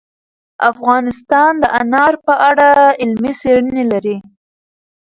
افغانستان د انار په اړه علمي څېړنې لري.